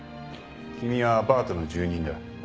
君はアパートの住人だ。